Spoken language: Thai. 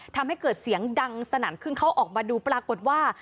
ทำให้เกิดเสียงดังสนั่นขึ้นเขาออกมาดูปรากฏว่า